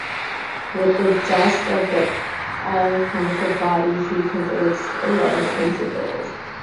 With the dust of the alchemical body he converts lead into gold.